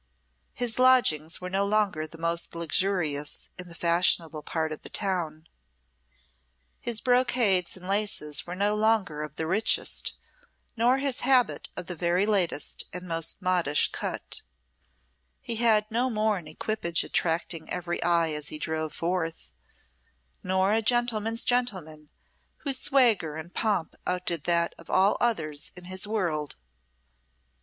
His lodgings were no longer the most luxurious in the fashionable part of the town, his brocades and laces were no longer of the richest, nor his habit of the very latest and most modish cut; he had no more an equipage attracting every eye as he drove forth, nor a gentleman's gentleman whose swagger and pomp outdid that of all others in his world.